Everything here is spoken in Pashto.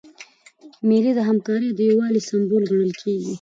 مېلې د همکارۍ او یووالي سمبول ګڼل کېږي.